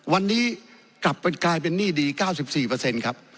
วันนี้กลับกลายเป็นหนี้ดี๙๔ครับ